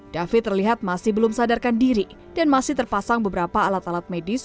david terlihat masih belum sadarkan diri dan masih terpasang beberapa alat alat medis